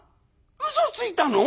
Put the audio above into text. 「うそついたの？